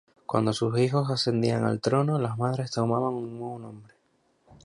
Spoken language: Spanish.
Cuando sus hijos ascendían al trono, las madres tomaban un nuevo nombre.